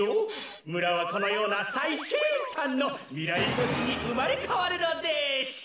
むらはこのようなさいシェンたんのみらいとしにうまれかわるのデシュ。